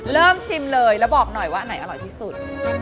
เริ่มชิมเลยแล้วบอกหน่อยว่าอันไหนอร่อยที่สุด